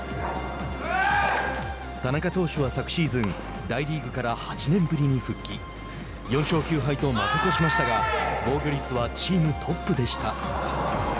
田中投手は昨シーズン大リーグから８年ぶりに復帰４勝９敗と負け越しましたが防御率はチームトップでした。